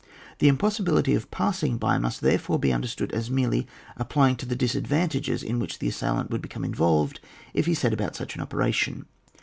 The impossibility of passing^ by must therefore be understood as merely ap plying to the disadvantages in which the assailant would become involved if he set about such an operation.